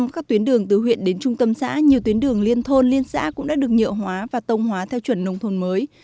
một trăm linh các tuyến đường từ huyện đến trung tâm xã nhiều tuyến đường liên thôn liên xã cũng đã được nhựa hóa và tông hóa theo chuẩn nông thôn mới